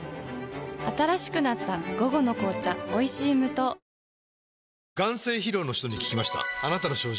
新しくなった「午後の紅茶おいしい無糖」え？